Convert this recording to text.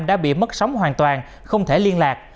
đã bị mất sóng hoàn toàn không thể liên lạc